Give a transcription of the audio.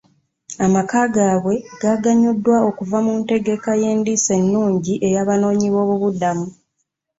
Amaka gaabwe gaganyuddwa okuva mu ntegeka y'endiisa ennungi ey'abanoonyi b'obubuddamu.